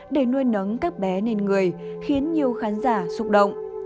để nuôi nắng các bé nên người khiến nhiều khán giả xúc động